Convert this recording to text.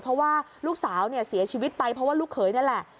เพราะว่าลูกสาวเนี่ยเสียชีวิตไปเพราะว่าลูกเขยนี่แหละ